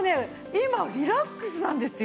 今リラックスなんですよ。